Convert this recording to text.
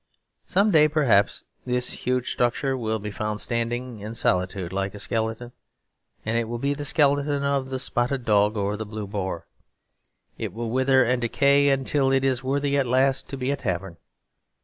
Some day perhaps this huge structure will be found standing in a solitude like a skeleton; and it will be the skeleton of the Spotted Dog or the Blue Boar. It will wither and decay until it is worthy at last to be a tavern.